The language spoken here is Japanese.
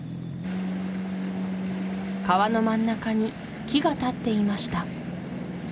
川の真ん中に木が立っていました